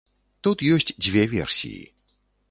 Тут ёсць дзве версіі.